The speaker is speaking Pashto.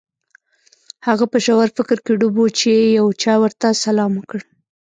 هغه په ژور فکر کې ډوب و چې یو چا ورته سلام وکړ